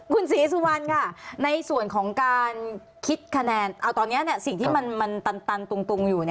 คุณศรีสุวรรณค่ะในส่วนของการคิดคะแนนเอาตอนนี้สิ่งที่มันตันตุงอยู่